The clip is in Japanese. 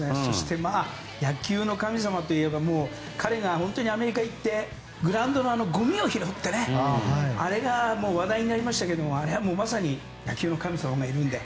野球の神様といえば彼が本当にアメリカに行ってグラウンドのごみを拾ってあれが話題になりましたけどあれはもうまさに野球の神様がいるんだ。